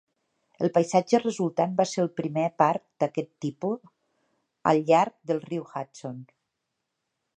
El paisatge resultant va ser el primer parc d'aquest tipus al llarg del riu Hudson.